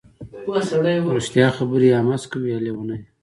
ـ رښتیا خبرې یا مست کوي یا لیوني.